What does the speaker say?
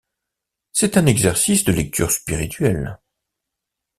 C'est un exercice de lecture spirituelle.